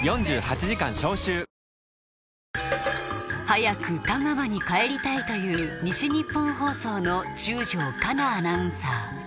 早く香川に帰りたいという西日本放送の中條加菜アナウンサー